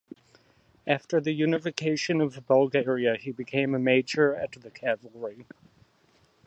After the Unification of Bulgaria, he became a major at the cavalry.